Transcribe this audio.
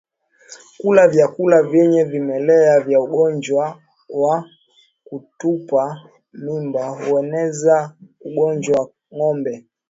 Kula vyakula vyenye vimelea vya ugonjwa wa kutupa mimba hueneza ugonjwa kwa ngombe